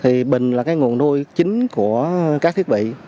thì bình là cái nguồn nuôi chính của các thiết bị